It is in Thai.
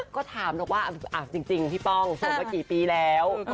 ก็ถ่ายว่าจริงเอาจดเมื่อกี้ปีแล้ว